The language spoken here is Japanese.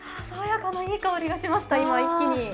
爽やかないい香りがしました、一気に。